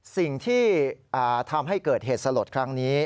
สิ่งที่ทำให้เกิดเหตุสลดครั้งนี้